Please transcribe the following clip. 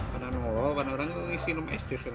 padahal orang orang itu isi nomor sd